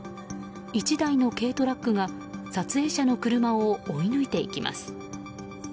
１台の軽トラックが撮影者の車を追い抜いていきます。